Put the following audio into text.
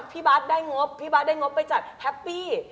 พี่บาทได้งบพี่บาทได้งบไปจากแฮปปี้